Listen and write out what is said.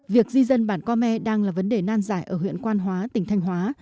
việc di dân bản co me đang là vấn đề nan giải ở huyện quan hóa tỉnh thanh hóa